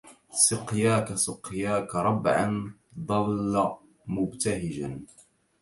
سقياك سقياك ربعا ظل مبتهجا